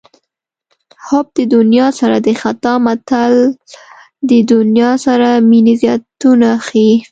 حب د دنیا سر د خطا متل د دنیا سره مینې زیانونه ښيي